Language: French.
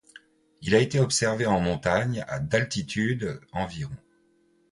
Il a été observé en montagne, à d’altitude environ.